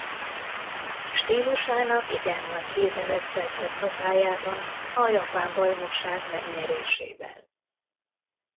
Stílusának igen nagy hírnevet szerzett hazájában a Japán Bajnokság megnyerésével.